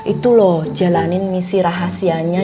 itu loh jalanin misi rahasianya